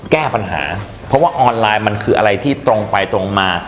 แก้ปัญหาเพราะว่าออนไลน์มันคืออะไรที่ตรงไปตรงมา